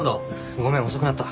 ごめん遅くなった。